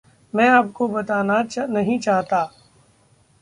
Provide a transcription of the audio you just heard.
मैं आपको बताना नहीं चाहता।